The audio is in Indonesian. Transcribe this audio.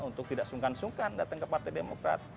untuk tidak sungkan sungkan datang ke partai demokrat